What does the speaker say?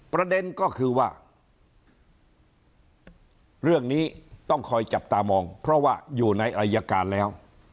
ประเด็นก็คือว่าเรื่องนี้ต้องคอยจับตามองเพราะว่าอยู่ในอายการแล้ว